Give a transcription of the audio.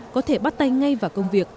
có thể bắt tay ngay vào công việc